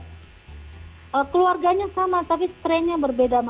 keluarganya sama tapi strain nya berbeda